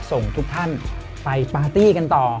ส่งทุกท่านไปปาร์ตี้กันต่อ